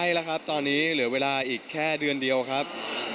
ใช่แล้วครับตอนนี้เหลือเวลาอีกแค่เดือนเดียวครับ